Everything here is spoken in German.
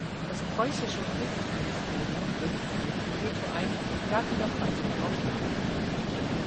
Das preußische Kultusministerium legte dagegen ein Veto ein, gab jedoch bald darauf nach.